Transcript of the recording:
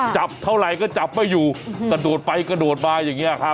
จับเท่าไหร่ก็จับไม่อยู่กระโดดไปกระโดดมาอย่างนี้ครับ